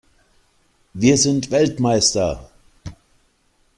Wir sind Weltmeister!